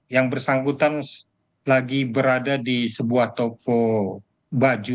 yang bersangkutan lagi berada di sebuah toko baju